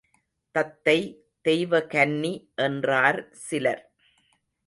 தத்தை தெய்வகன்னி என்றார் சிலர்.